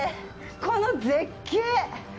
この絶景。